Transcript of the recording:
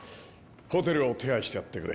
ホテルを手配してやってくれ。